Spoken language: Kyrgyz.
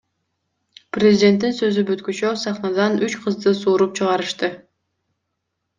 Президенттин сөзү бүткүчө сахнадан үч кызды сууруп чыгарышты.